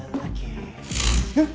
えっ！？